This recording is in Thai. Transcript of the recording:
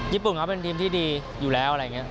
ญี่ปุ่นเขาเป็นทีมที่ดีอยู่แล้วอะไรอย่างนี้